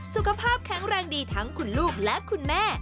สุขภาพแข็งแรงดีทั้งคุณลูกและคุณแม่